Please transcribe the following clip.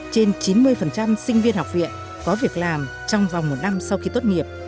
trên chín mươi sinh viên học viện có việc làm trong vòng một năm sau khi tốt nghiệp